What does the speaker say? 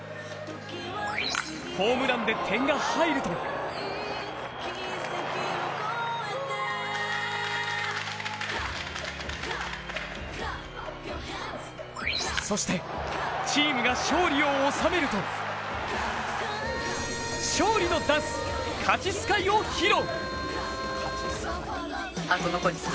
ホームランで点が入るとそしてチームが勝利を収めると、勝利のダンス「勝ちＳＫＹ」を披露！